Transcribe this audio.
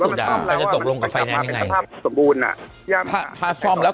สุดอ่ะให้ตกลงกับไฟน้ำเป็นสภาพสมบูรณ์อ่ะถ้าส่อมแล้ว